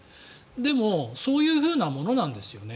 でもそういうものなんですよね。